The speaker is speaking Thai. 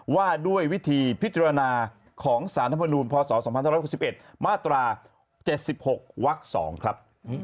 ว่าด้วยวิธีพิจารณาของสารธรรมนูลพศ๒๕๖๑มาตรา๗๖วัก๒ครับ